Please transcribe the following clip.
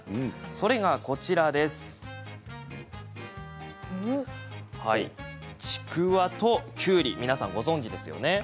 それが、ちくわと、きゅうり皆さん、ご存じですよね。